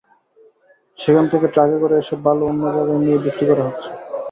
সেখান থেকে ট্রাকে করে এসব বালু অন্য জায়গায় নিয়ে বিক্রি করা হচ্ছে।